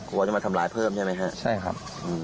กลัวจะมาทำร้ายเพิ่มใช่ไหมฮะใช่ครับ